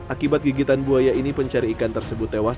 akibat gigitan buaya ini pencari ikan tersebut tewas